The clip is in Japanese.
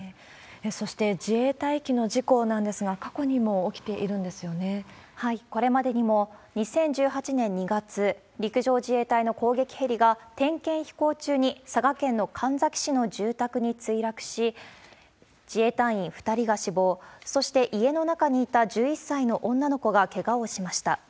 そして、自衛隊機の事故なんですが、過去にも起きているんでこれまでにも２０１８年２月、陸上自衛隊の攻撃ヘリが点検飛行中に佐賀県の神埼市の住宅に墜落し、自衛隊員２人が死亡、そして家の中にいた１１歳の女の子がけがをしました。